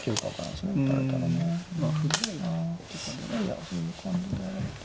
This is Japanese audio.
そういう感じで。